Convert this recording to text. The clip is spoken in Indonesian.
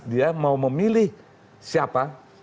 dia mau memilih siapa